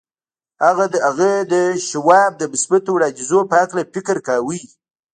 هغه د شواب د مثبتو وړاندیزونو په هکله فکر کاوه